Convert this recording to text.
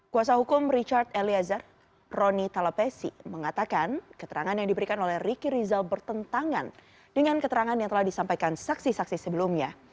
kuasa hukum richard eliezer roni talapesi mengatakan keterangan yang diberikan oleh ricky rizal bertentangan dengan keterangan yang telah disampaikan saksi saksi sebelumnya